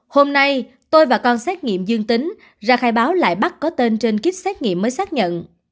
hôm nay tôi và con xét nghiệm dương tính ra khai báo lại bắt có tên trên kit xét nghiệm mới xác nhận